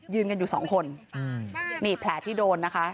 กันอยู่สองคนนี่แผลที่โดนนะคะ